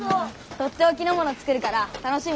とっておきのもの作るから楽しみにしててよ。